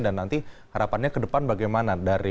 dan nanti harapannya ke depan bagaimana